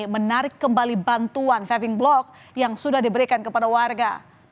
menarik kembali bantuan saving block yang sudah diberikan kepada warga